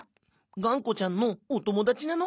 がんこちゃんのおともだちなの」。